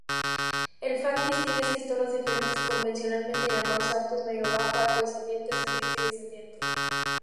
El fang distingue seis tonos diferentes, convencionalmente llamados alto, medio, bajo, alto-descendiente, ascendiente, descendiente.